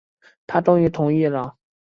他终于同意了